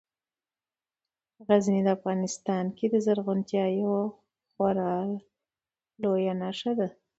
غزني په افغانستان کې د زرغونتیا یوه خورا لویه نښه ده.